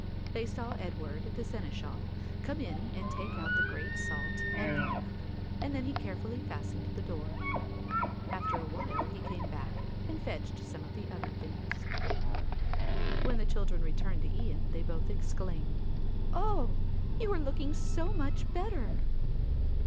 They saw Edward, the seneschal, come in and take out the great salt and the nef and then he carefully fastened the door. After a while he came back and fetched some of the other things. When the children returned to Ian, they both exclaimed, "Oh, you are looking so much better."